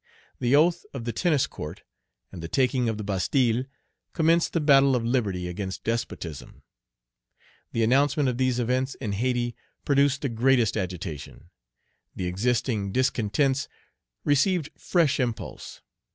The oath of the Tennis Court and the taking of the Bastille commenced the battle of liberty against despotism. The announcement Page 44 of these events in Hayti produced the greatest agitation. The existing discontents received fresh impulse.